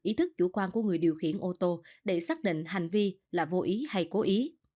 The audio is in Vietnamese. ý thức chủ quan của người điều khiển ô tô để xác định hành vi là vô ý hay cố ý